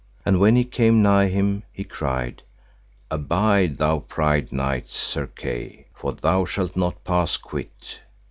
And when he came nigh him, he cried, Abide, thou proud knight Sir Kay, for thou shalt not pass quit.